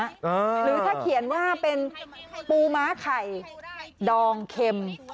หรือถ้าเขียนว่าเป็นปูม้าไข่ดองเข็ม